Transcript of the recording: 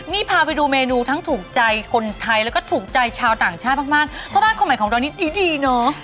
นี่พาไปดูเมนูทั้งถูกใจคนไทยและถูกใจชาวต่างชาติมากบ้านธุดใหม่ของเรานี้ดีนะ